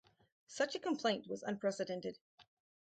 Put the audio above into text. Such a complaint was unprecedented.